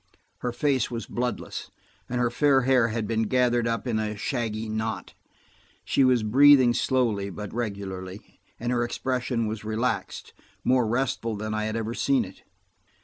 Her face was bloodless, and her fair hair had been gathered up in a shaggy knot. She was breathing slowly, but regularly, and her expression was relaxed–more restful than I had ever seen it.